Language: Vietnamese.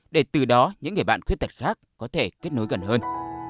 để từ đó những người bạn khuyết tật khác có thể kết nối gần hơn